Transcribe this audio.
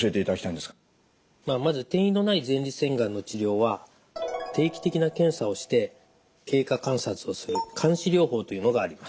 まあまず転移のない前立腺がんの治療は定期的な検査をして経過観察をする監視療法というのがあります。